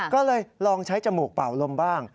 ก็เลยลองใช้จมูกเป่าลมบ้าง